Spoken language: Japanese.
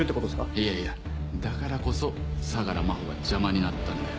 いやいやだからこそ相良真帆が邪魔になったんだよ。